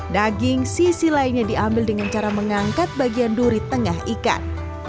daging sisi lainnya diambil dengan cara mengangkat bagian duri tengah ikan